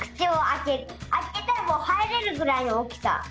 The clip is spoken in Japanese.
あけたらもうはいれるぐらいのおおきさ。